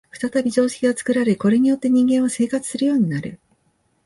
再び常識が作られ、これによって人間は生活するようになる。